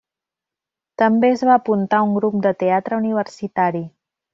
També es va apuntar a un grup de teatre universitari.